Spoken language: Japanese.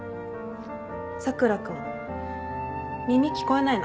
佐倉君耳聞こえないの。